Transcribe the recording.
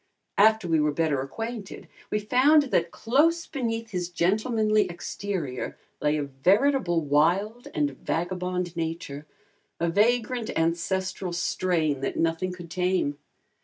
After we were better acquainted we found that close beneath his gentlemanly exterior lay a veritable wild and vagabond nature, a vagrant ancestral strain that nothing could tame.